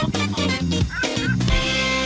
สวัสดีค่ะ